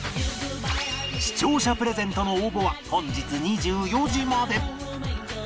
視聴者プレゼントの応募は本日２４時まで